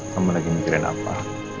kamu lagi mikirin apa